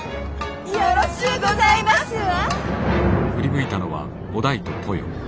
よろしゅうございますわ。